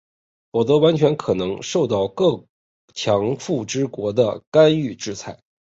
否则完全可能受到各强富之国的干预制裁。